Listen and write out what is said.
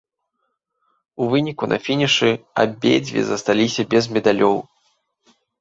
У выніку на фінішы абедзве засталіся без медалёў.